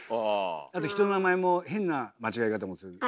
あと人の名前も変な間違い方もする。